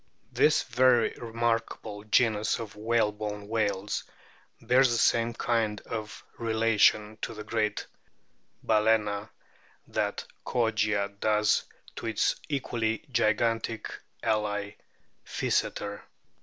This very remarkable genus of whalebone whales bears the same kind of relation to the great Bala no, o that Kogia does to its equally gigantic ally Physeter.